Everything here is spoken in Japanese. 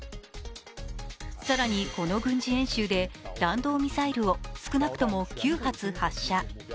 更に、この軍事演習で弾道ミサイルを少なくとも９発発射。